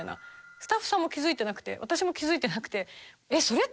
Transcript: スタッフさんも気付いてなくて私も気付いてなくて。